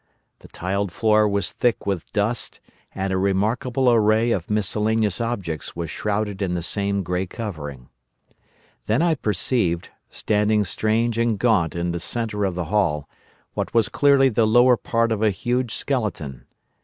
The tiled floor was thick with dust, and a remarkable array of miscellaneous objects was shrouded in the same grey covering. Then I perceived, standing strange and gaunt in the centre of the hall, what was clearly the lower part of a huge skeleton.